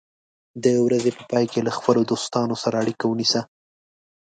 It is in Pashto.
د ورځې په پای کې له خپلو دوستانو سره اړیکه ونیسه.